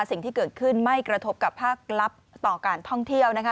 สิ่งที่เกิดขึ้นไม่กระทบกับภาคลับต่อการท่องเที่ยวนะคะ